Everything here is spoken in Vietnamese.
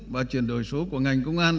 và chuyển đổi số của ngành công an